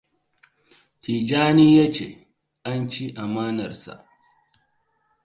Tijjani ya ce an ci amanar sa.